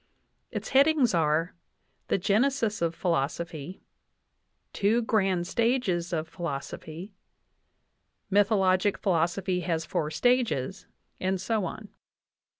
Its headings are : "The genesis of philosopy," "Two grand stages of philoso phy," "Mythologic philosophy has four stages," and so on.